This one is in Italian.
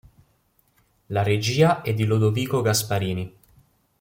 La regia è di Lodovico Gasparini.